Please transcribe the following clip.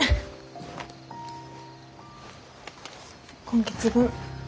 今月分。